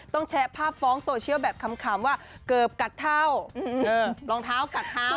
ต้องแชะภาพฟ้องโซเชียลแบบขำว่าเกิบกัดเท้ารองเท้ากัดเท้าแหลง